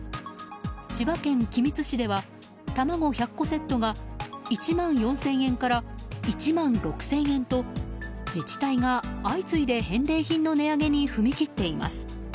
千葉県君津市では卵１００個セットが１万４０００円から１万６０００円と自治体が相次いで返礼品の値上げに踏み切っています。